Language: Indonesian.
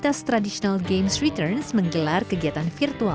khususnya untuk remaja ya